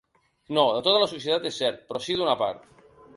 No de tota la societat, és cert, però sí d’una part.